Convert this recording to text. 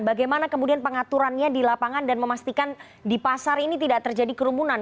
bagaimana kemudian pengaturannya di lapangan dan memastikan di pasar ini tidak terjadi kerumunan